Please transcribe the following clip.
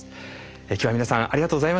今日は皆さんありがとうございました。